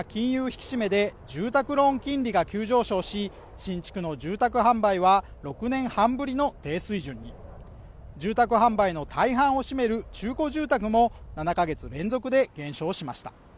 引き締めで住宅ローン金利が急上昇し新築の住宅販売は６年半ぶりの低水準に住宅販売の大半を占める中古住宅も７か月連続で減少しました